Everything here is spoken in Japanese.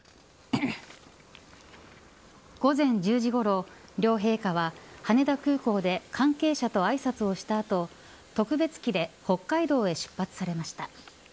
午前１０時ごろ、両陛下は羽田空港で関係者と挨拶をした後特別機で北海道へ出発されました。